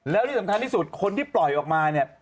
แล้วที่สำคัญที่สุดคนที่ปล่อยออกมาเนี่ย